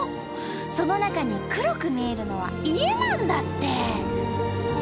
その中に黒く見えるのは家なんだって。